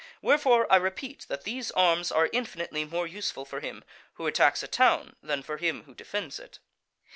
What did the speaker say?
Wherefore I repeat that these arms are infinitely more useful for him who attacks a town than for him who defends it.